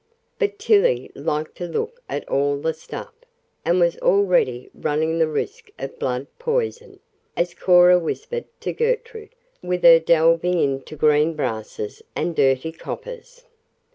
But Tillie liked to look at all the stuff, and was already running the risk of blood poison, as Cora whispered to Gertrude, with her delving into green brasses and dirty coppers.